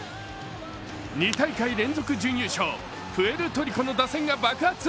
２大会連続準優勝、プエルトリコの打線が爆発。